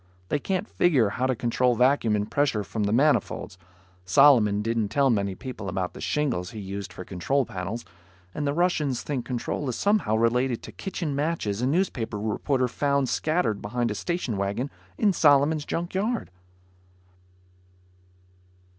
They can't figure how to control vacuum and pressure from the manifolds. Solomon didn't tell many people about the shingles he uses for control panels, and the Russians think control is somehow related to kitchen matches a newspaper reporter found scattered behind a station wagon in Solomon's junk yard.